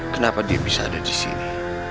kenapa dia bisa ada di sini